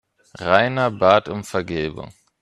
Rainer bat um Vergebung.